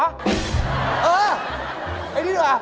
เออไอ้นี่ดีกว่า